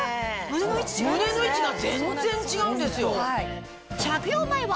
胸の位置が全然違うんですよ。